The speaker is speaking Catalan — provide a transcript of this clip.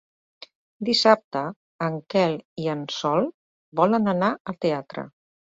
Dissabte en Quel i en Sol volen anar al teatre.